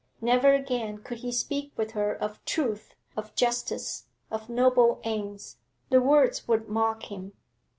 Never again could he speak with her of truth, of justice, of noble aims; the words would mock him.